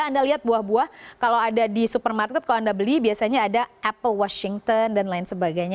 anda lihat buah buah kalau ada di supermarket kalau anda beli biasanya ada apple washington dan lain sebagainya